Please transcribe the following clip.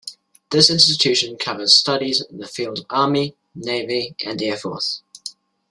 This institution covers studies in the field of army, navy, and air force.